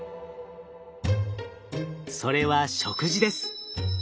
それは食事です。